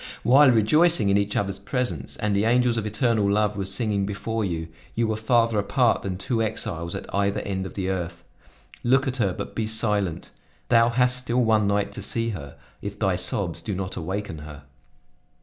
While rejoicing in each other's presence, and the angels of eternal love were singing before you, you were farther apart than two exiles at either end of the earth. Look at her, but be silent. Thou hast still one night to see her, if thy sobs do not awaken her."